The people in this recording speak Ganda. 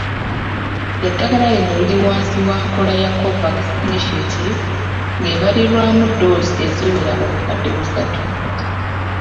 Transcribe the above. Eddagala lino liri wansi wa nkola ya COVAX Initiative ng'ebalirirwamu ddoozi eziwera obukadde busatu.